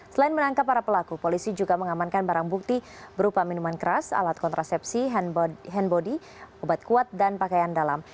selain menangkap para pelaku polisi juga mengamankan barang bukti berupa minuman keras alat kontrasepsi hand body obat kuat dan pakaian dalam